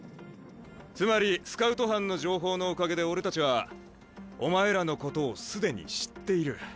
つまりスカウト班の情報のおかげで俺たちはお前らのことを既に知っている。